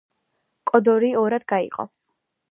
კოდორი ორად გაიყო.